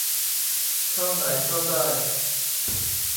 เข้าไหนเข้าได้